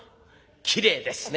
「きれいですね。